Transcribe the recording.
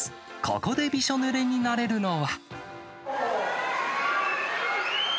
ここでびしょぬれになれるのは。